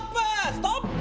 ストップ！